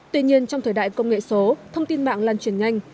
tuy nhiên trong thời đại công nghệ số thông tin mạng lan truyền nhanh